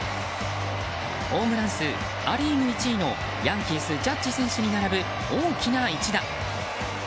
ホームラン数ア・リーグ１位のヤンキース、ジャッジ選手に並ぶ大きな一打。